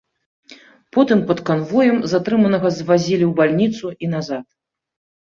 Потым пад канвоем затрыманага звазілі ў бальніцу і назад.